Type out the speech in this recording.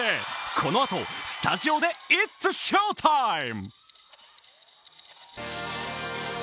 このあとスタジオでイッツショータイム。